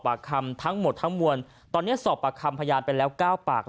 ปากคำทั้งหมดทั้งมวลตอนนี้สอบปากคำพยายามเป็นแล้ว๙ปาก